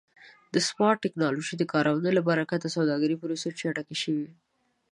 د سمارټ ټکنالوژۍ د کارونې له برکت د سوداګرۍ پروسې چټکې شوې.